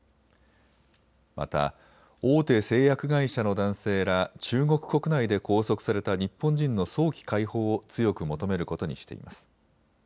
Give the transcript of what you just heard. また大手製薬会社の男性ら中国国内で拘束された日本人の早期解放を強く求めることにしています。